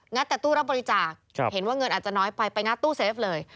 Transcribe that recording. แต่ตู้รับบริจาคเห็นว่าเงินอาจจะน้อยไปไปงัดตู้เซฟเลย